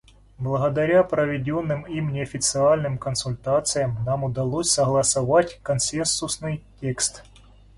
Благодаря проведенным им неофициальным консультациям нам удалось согласовать консенсусный текст.